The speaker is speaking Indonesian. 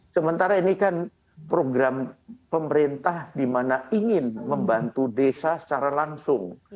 sementara ini kan program pemerintah di mana ingin membantu desa secara langsung